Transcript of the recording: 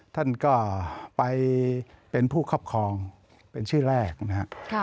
ท่านก็ไปเป็นผู้ครอบครองเป็นชื่อแรกนะครับ